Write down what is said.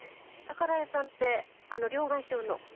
宝屋さんって両替商の？